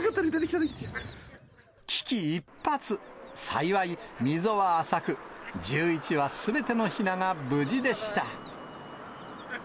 危機一髪、幸い、溝は浅く、１１羽すべてのひなが無事でした。